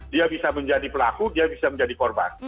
dia bisa menjadi pelaku dia bisa menjadi korban